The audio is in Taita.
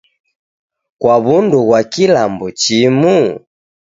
Kwa w'undu ghwa kilambo chimu?